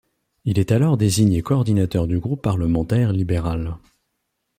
Il est alors désigné coordinateur du groupe parlementaire libéral.